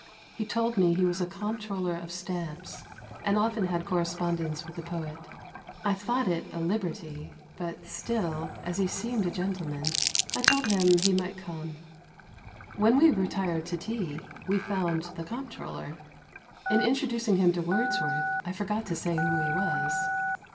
He told me h6 was a comptroller of stamps, and often had correspondence with the poet. I thought it a liberty ; but still, as he seemed a gentleman, I told him he might come. When we retired to tea we found the comptrpller. In introducing him to Wordsworth I forgot to say who he was.